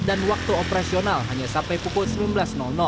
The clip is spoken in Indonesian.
dan waktu operasional hanya sampai pukul sembilan belas